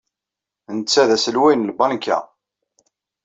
Netta d aselway n tbanka.